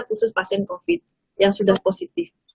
khusus pasien covid yang sudah positif